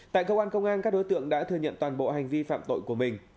tại cơ quan công an các đối tượng đã thừa nhận toàn bộ hành vi phạm tội của mình